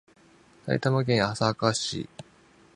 埼玉県朝霞市